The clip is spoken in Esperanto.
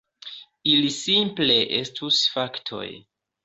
Ili simple estus faktoj.